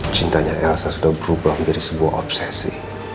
cintanya elsa sudah berubah menjadi sebuah obsesi